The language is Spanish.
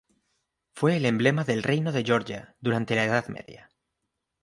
Fue el emblema del Reino de Georgia durante la Edad Media.